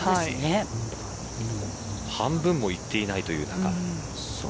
半分もいっていないという中。